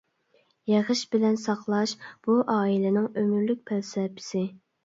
يىغىش بىلەن ساقلاش بۇ ئائىلىنىڭ ئۆمۈرلۈك پەلسەپىسى.